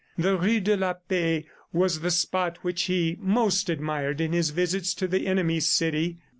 The rue de la Paix was the spot which he most admired in his visits to the enemy's city.